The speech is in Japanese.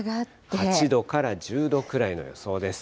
８度から１０度くらいの予想です。